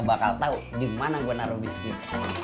lu bakal tahu dimana gue naruh biskuit